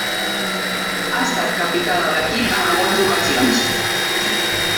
Ha estat capità de l'equip en algunes ocasions.